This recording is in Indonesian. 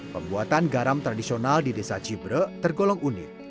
pembuatan garam tradisional di desa cibre tergolong unik